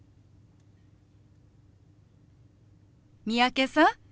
三宅さん